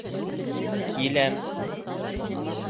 Киләм!